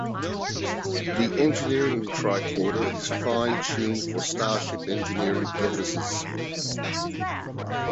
The engineering tricorder is fine-tuned for starship engineering purposes.